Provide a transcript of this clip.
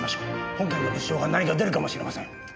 本件の物証が何か出るかもしれません。